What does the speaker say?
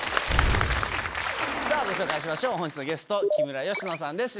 さぁご紹介しましょう本日のゲスト木村佳乃さんです。